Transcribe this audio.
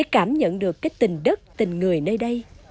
cảm nhận được cái tình đất tình người nơi đây